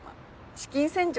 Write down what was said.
資金洗浄？